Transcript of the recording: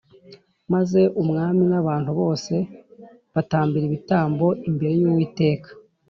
maze umwami n’abantu bose batambira ibitambo imbere y’uwiteka.